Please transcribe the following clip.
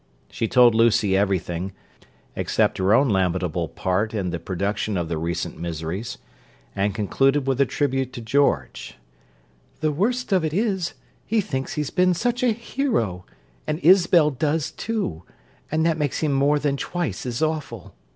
She told Lucy everything (except her own lamentable part in the production of the recent miseries) and concluded with a tribute to George: "The worst of it is, he thinks he's been such a hero, and Isabel does, too, and that makes him more than twice as awful.